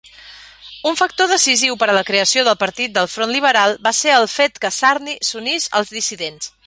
Un factor decisiu per a la creació del Partit del Front Liberal va ser el fet que Sarney s'unís als dissidents.